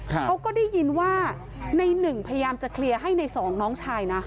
เขาก็ได้ยินว่าในหนึ่งพยายามจะเคลียร์ให้ในสองน้องชายนะ